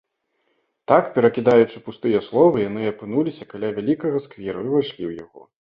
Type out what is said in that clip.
Так, перакідаючы пустыя словы, яны апынуліся каля вялікага сквера і ўвайшлі ў яго.